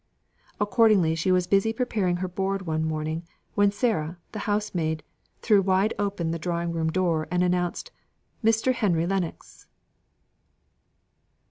Accordingly, she was busy preparing her board one morning, when Sarah, the housemaid, threw wide open the drawing room door, and announced, "Mr. Henry Lennox."